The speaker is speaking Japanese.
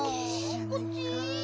こっち？